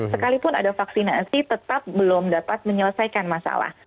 sekalipun ada vaksinasi tetap belum dapat menyelesaikan masalah